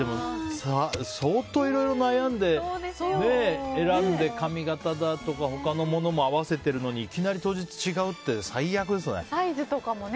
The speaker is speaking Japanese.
相当いろいろ悩んで選んで髪型だとか他のものも合わせてるのにいきなり当日違うってサイズとかもね